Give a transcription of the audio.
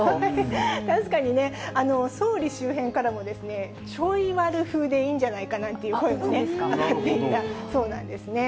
確かにね、総理周辺からもちょい悪風でいいんじゃないかなんていう声も出てたそうなんですね。